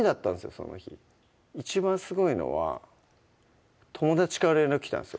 その日一番すごいのは友達から連絡来たんですよ